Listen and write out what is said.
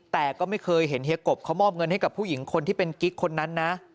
แต่ก็ไม่เคยเห็นเฮียกบเขามอบเงินให้กับผู้หญิงคนที่เป็นกิ๊กคนนั้นนะ